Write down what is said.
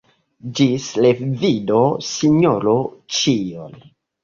Ĝis revido, Sinjoro Ĉiol!